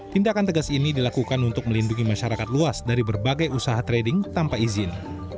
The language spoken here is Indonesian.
tindakan tegas ini dilakukan untuk melindungi masyarakat luas dari berbagai usaha trading tanpa izin